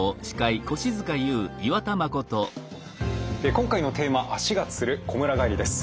今回のテーマ足がつるこむら返りです。